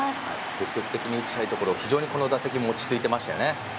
積極的に打ちたいところ非常にこの打席も落ち着いてましたよね。